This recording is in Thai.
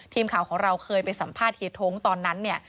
ทีมข่าวของเราเคยไปสัมภาษณ์เฮียท้งตอนนั้นเนี่ย